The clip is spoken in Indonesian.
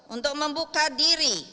untuk membuka diri